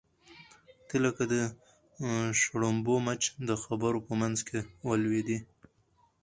ته لکه د شړومبو مچ د خبرو په منځ کې ولوېدې.